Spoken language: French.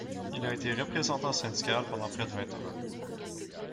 Il a été représentant syndical pendant près de vingt ans.